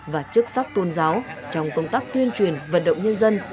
và chức sắc tôn giáo trong công tác tuyên truyền vận động nhân dân